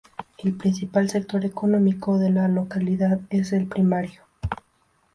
El principal sector económico de la localidad es el primario.